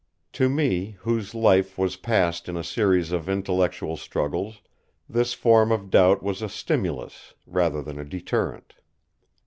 To me, whose life was passed in a series of intellectual struggles, this form of doubt was a stimulus, rather than deterrent.